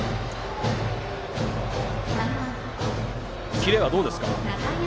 キレはどうですか？